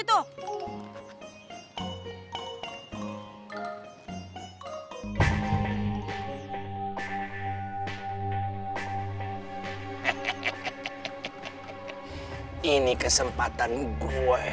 enggak papa papa pakai kertas boleh